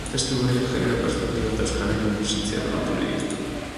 Testu berriak genero perspektiba eta euskararen presentzia bermatu nahi ditu.